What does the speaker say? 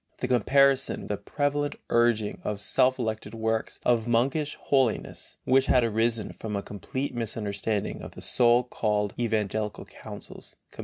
In comparison with the prevalent urging of self elected works of monkish holiness, which had arisen from a complete misunderstanding of the so called evangelical counsels (comp.